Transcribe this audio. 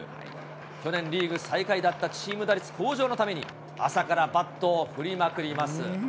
去年、リーグ最下位だったチーム打率向上のために、朝からバットを振りまくります。